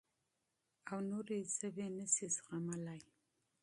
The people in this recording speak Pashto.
او نورې ژبې نه شي زغملی.